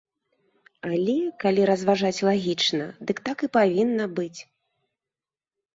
Але, калі разважаць лагічна, дык так і павінна быць.